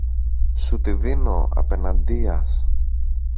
Σου τη δίνω, απεναντίας